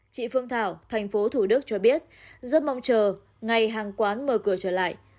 chị phương thảo tp thủ đức cho biết rất mong chờ ngày hàng quán mở cửa trở lại